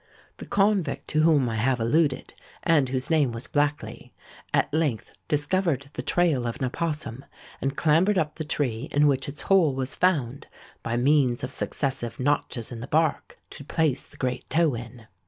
The convict to whom I have alluded, and whose name was Blackley, at length discovered the trail of an opossum, and clambered up the tree in which its hole was found, by means of successive notches in the bark, to place the great toe in.